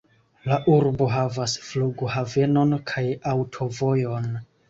La urbo havas flughavenon kaj aŭtovojon.